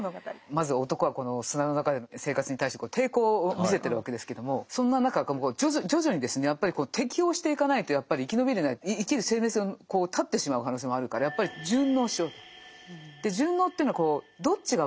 まず男はこの砂の中での生活に対して抵抗を見せてるわけですけどもそんな中徐々にですねやっぱり適応していかないとやっぱり生き延びれない生きる生命線を絶ってしまう可能性もあるからやっぱり順応しようと。